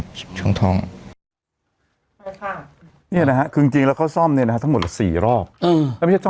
คือจริงจริงแล้วเขาซ่อมเนี่ยนะฮะทั้งหมดสี่รอบเออแล้วไม่ใช่ซ่อม